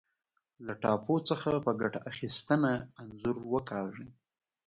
له ټاپو څخه په ګټه اخیستنه انځور وکاږئ.